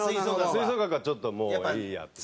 吹奏楽はちょっともういいやって。